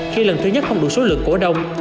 khi lần thứ nhất không đủ số lượng cổ đông